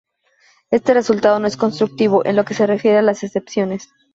Este resultado no es constructivo, en lo que se refiere a las excepciones.